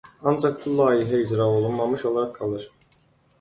Ancaq bu layihə icra olunmamış olaraq qalır.